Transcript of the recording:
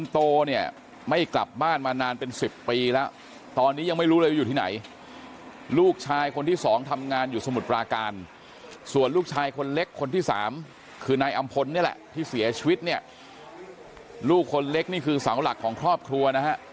ที่แม่เขาขึ้นจะได้ถ่าย